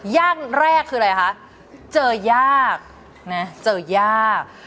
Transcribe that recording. ยากแรกคืออะไรคะเจอยาก